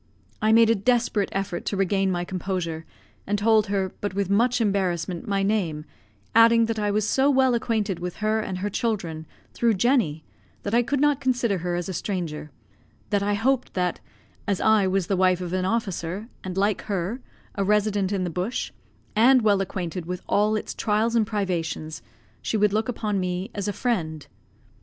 I made a desperate effort to regain my composure, and told her, but with much embarrassment, my name; adding that I was so well acquainted with her and her children, through Jenny, that I could not consider her as a stranger; that I hoped that, as I was the wife of an officer, and like her, a resident in the bush, and well acquainted with all its trials and privations, she would look upon me as a friend.